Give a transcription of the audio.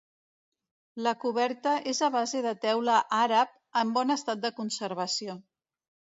La coberta és a base de teula àrab en bon estat de conservació.